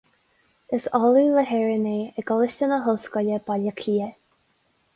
Is ollamh le hÉireann é i gColáiste na hOllscoile, Baile Átha Cliath.